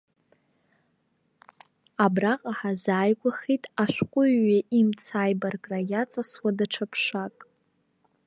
Абраҟа ҳазааигәахеит ашәҟыҩҩы имца аибаркра иаҵасуа даҽа ԥшак.